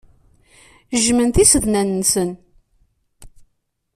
Jjmen tisednan-nsen.